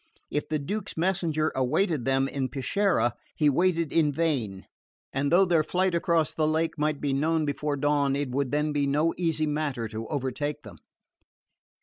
If the Duke's messenger awaited them at Peschiera he waited in vain; and though their flight across the lake might be known before dawn it would then be no easy matter to overtake them.